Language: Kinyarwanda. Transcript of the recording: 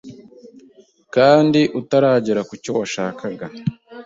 kandi utaragera ku cyo washakaga